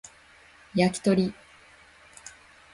焼き鳥